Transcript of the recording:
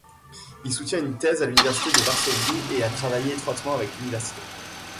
Il soutient une thèse à l'université de Varsovie et a travaillé étroitement avec l'université.